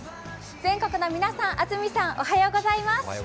全国の皆さん、安住さん、おはようございます。